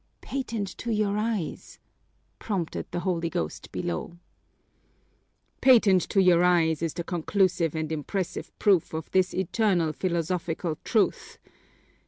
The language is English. "Patent to your eyes " prompted the holy ghost below. "Patent to your eyes is the conclusive and impressive proof of this eternal philosophical truth!